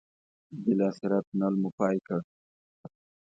بالاخره تونل مو پای کړ.